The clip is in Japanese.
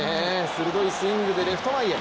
鋭いスイングでレフト前へ。